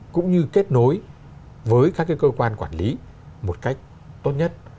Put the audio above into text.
cũng như kết nối với các cơ quan quản lý một cách tốt nhất